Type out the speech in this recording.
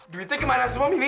duitnya kemana semua mini